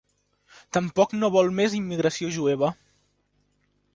Tampoc no vol més immigració jueva.